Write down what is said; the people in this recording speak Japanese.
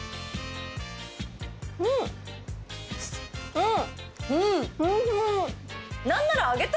うん！